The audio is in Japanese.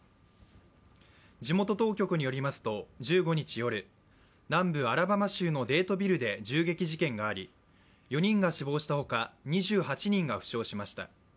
地元当局によりますと１５日夜、南部アラバマ州デードビルで銃撃事件があり、４人が死亡したほか、２８人が負傷しました。